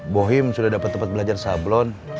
bohim sudah dapat tempat belajar sablon